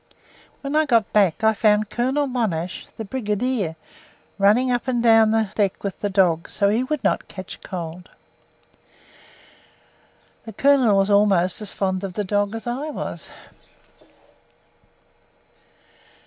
When I got back I found Colonel Monash, the Brigadier, running up and down the deck with the dog so that he would not catch cold! The Colonel was almost as fond of the dog as I was.